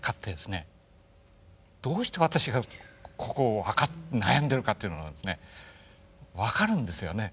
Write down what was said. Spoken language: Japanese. どうして私がここを悩んでるかというのが分かるんですよね。